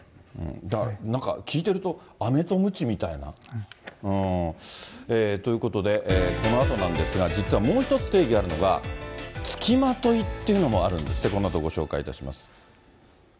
だから、なんか聞いてると、あめとむちみたいな。ということで、このあとなんですが、実はもう一つ、定義があるのが、付きまといっていうのもあるんですって、このあとご紹介いたします。